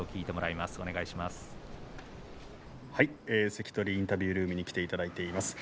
関取インタビュールームに来ていただいております。